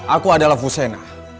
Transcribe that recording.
aku adalah fusena